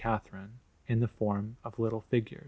Catherine in the form of little figures.